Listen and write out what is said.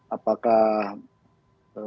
apakah koalisi ini sudah berhasil